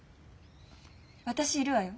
私いるわよ。